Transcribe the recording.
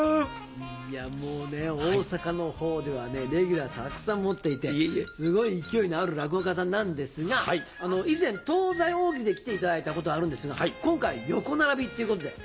いやもうね大阪のほうではレギュラーたくさん持っていてすごい勢いのある落語家さんなんですが以前東西大喜利で来ていただいたことあるんですが今回横並びっていうことで。